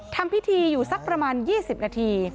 ทำพิธีอยู่สักประมาณ๒๐นาที